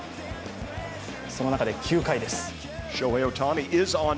その中で９回です。